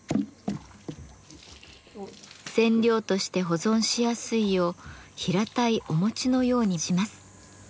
染料として保存しやすいよう平たいお餅のようにします。